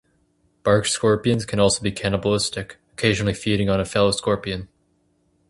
Bark scorpions can also be cannibalistic, occasionally feeding on a fellow scorpion.